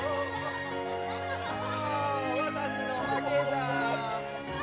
あ私の負けじゃ。